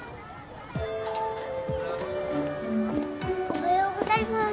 おはようございます。